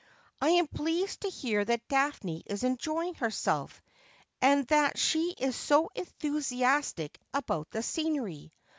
'" I am pleased to hear that Daphne is enjoying herself, and that she is so enthusiastic about the scenery.